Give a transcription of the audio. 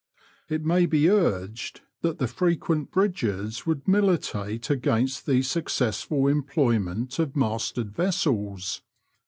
It may be urged that the frequent bridges would militate against the successful employ ment of masted vessels.